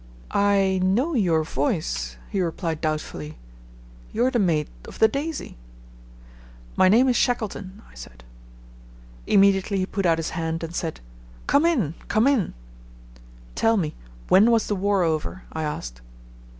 "I know your voice," he replied doubtfully. "You're the mate of the Daisy." "My name is Shackleton," I said. Immediately he put out his hand and said, "Come in. Come in." "Tell me, when was the war over?" I asked.